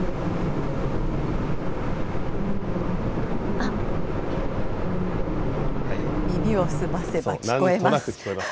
あっ、耳を澄ませば聞こえます。